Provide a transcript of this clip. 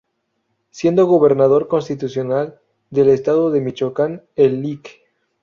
Siendo Gobernador Constitucional del Estado de Michoacán el Lic.